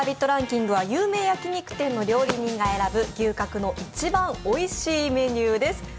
ランキングは有名焼肉店の料理人が選ぶ牛角の一番おいしいメニューです。